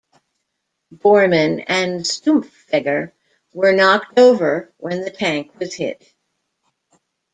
Bormann and Stumpfegger were "knocked over" when the tank was hit.